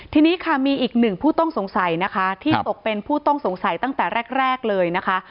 ทีนี้ค่ะมีอีกหนึ่งผู้ต้องสงสัยนะคะที่ตกเป็นผู้ต้องสงสัยตั้งแต่แรกเลยนะคะ